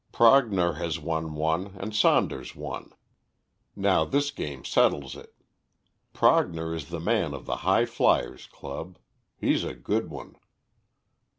Prognor has won one, and Saunders one; now this game settles it. Prognor is the man of the High Fliers' Club. He's a good one.